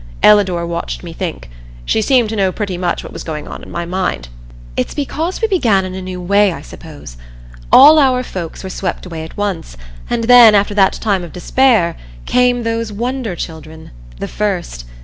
Ellador watched me think. She seemed to know pretty much what was going on in my mind. "It's because we began in a new way, I suppose. All our folks were swept away at once, and then, after that time of despair, came those wonder children the first.